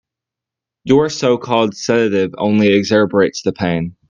Your so-called sedative only exacerbates the pain.